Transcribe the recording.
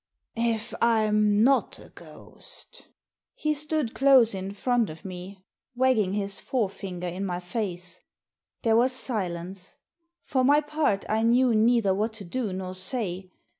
" If I'm not a ghost" He stood close in front of me, wagging his fore finger in my face. There was silence. For my part, I knew neither what to do nor say.